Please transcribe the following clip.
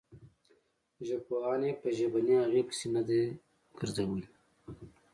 ژبپوهانو یې په ژبنۍ هغې پسې نه ده ګرځولې.